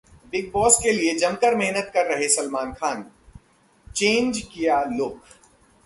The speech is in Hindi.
बिग बॉस के लिए जमकर मेहनत कर रहे सलमान खान, चेंज किया लुक